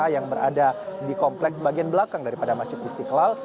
yang berada di kompleks bagian belakang daripada masjid istiqlal